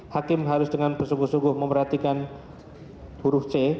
hakim harus dengan bersungguh sungguh memperhatikan huruf c